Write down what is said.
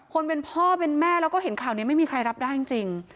คนเป็นพ่อเป็นแม่แล้วก็เห็นข่าวนี้ไม่มีใครรับได้จริง